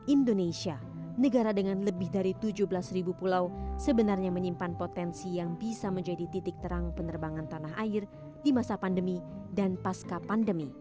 indonesia negara dengan lebih dari tujuh belas pulau sebenarnya menyimpan potensi yang bisa menjadi titik terang penerbangan tanah air di masa pandemi dan pasca pandemi